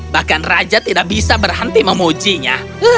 bahkan raja tidak bisa berhenti memujinya